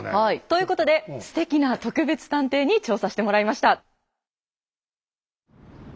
ということですてきな特別探偵に調査してもらいました。